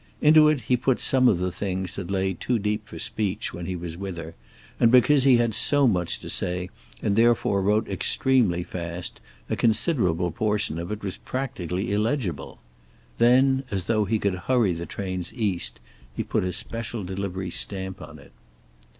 Into it he put some of the things that lay too deep for speech when he was with her, and because he had so much to say and therefore wrote extremely fast, a considerable portion of it was practically illegible. Then, as though he could hurry the trains East, he put a special delivery stamp on it.